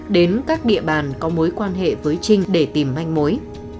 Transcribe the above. đến các địa bàn có mối quan hệ với trinh để tìm manh mối